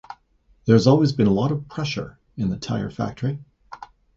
There has always been a lot of pressure in the tyre factory.